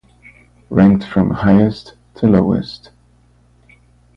Ranked from highest to lowest.